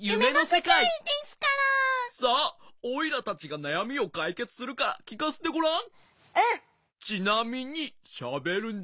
さあおいらたちがなやみをかいけつするからきかせてごらん。